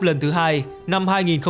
lần thứ hai năm hai nghìn hai mươi bốn